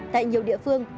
tại nhiều địa phương